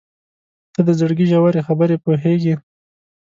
• ته د زړګي ژورې خبرې پوهېږې.